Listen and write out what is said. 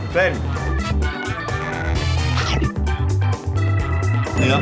ขอบคุณครับ